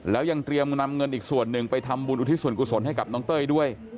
แล้วยังเตรียมนำเงินอีกส่วนหนึ่งไปทำบุญอุทิศส่วนกุศลให้กับน้องเต้ยด้วย